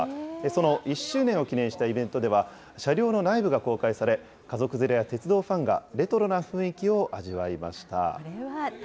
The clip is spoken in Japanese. その１周年を記念したイベントでは、車両の内部が公開され、家族連れや鉄道ファンがレトロな雰囲